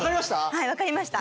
はい分かりました